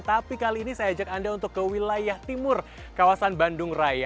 tapi kali ini saya ajak anda untuk ke wilayah timur kawasan bandung raya